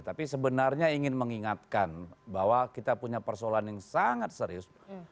tapi sebenarnya ingin mengingatkan bahwa kita punya persoalan yang sangat serius